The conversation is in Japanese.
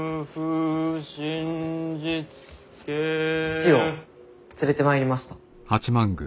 父を連れてまいりました。